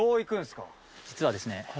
実はですね